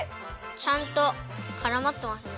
ちゃんとからまってますね。